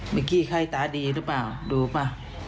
กี้ไข้ตาดีหรือเปล่าดูป่ะ